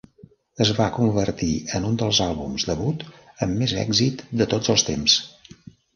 Es va convertir en un dels àlbums debut amb més èxit de tots els temps.